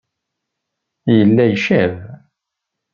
Yella icab.